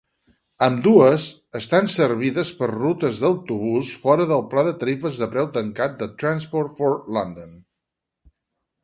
Ambdues estan servides per rutes d'autobús fora del pla de tarifes de preu tancat de Transport for London.